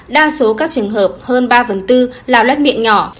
đa số các trường hợp hơn ba phần tư là lét miệng nhỏ